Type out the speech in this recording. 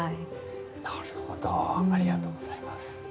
なるほどありがとうございます。